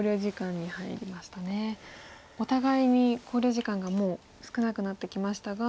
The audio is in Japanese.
お互いに考慮時間がもう少なくなってきましたが。